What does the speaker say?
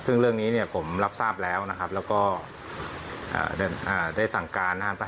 ซึ่งเรื่องนี้เนี่ยผมรับทราบแล้วนะครับแล้วก็ได้สั่งการนะครับ